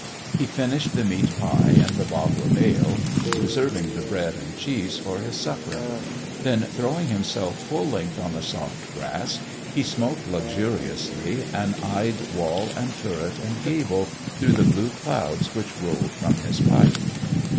He finished the meat pie and the bottle of ale, reserving the broad and cheese for his supper ; then throwing himself full length on the soft grass, he smoked luxuriously, and eyed wall and turret and THE dwarf's chamber 23 gable throngh the blue clouds which rolled from his pipe.